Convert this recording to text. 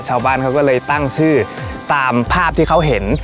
ชาวบ้านเขาก็เลยตั้งชื่อตามภาพที่เขาเห็น